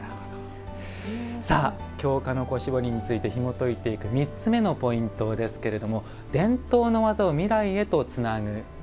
京鹿の子絞りの魅力についてひもといていく３つ目のポイントですけども「伝統の技を未来へとつなぐ」。